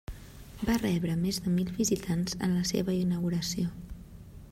Va rebre més de mil visitants en la seva inauguració.